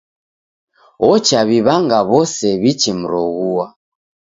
Ochaw'iw'anga w'ose w'ichemroghua.